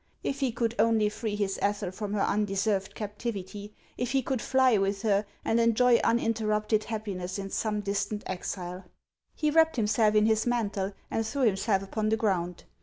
If he could only free his Ethel from her un deserved captivity ; if he could fly with her, and enjoy uninterrupted happiness in some distant exile ! He wrapped himself in his mantle, and threw himself upon the ground.